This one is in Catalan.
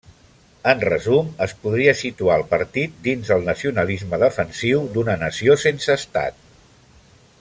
En resum, es podria situar el partit dins el nacionalisme defensiu d'una nació sense estat.